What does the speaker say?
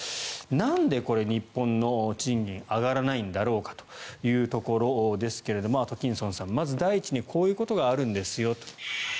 なんで日本の賃金上がらないんだろうかというところですがアトキンソンさん、まず第一にこういうことがあるんですよと。